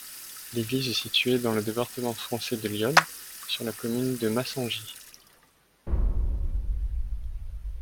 L'église est située dans le département français de l'Yonne, sur la commune de Massangis.